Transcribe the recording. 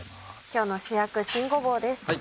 今日の主役新ごぼうです。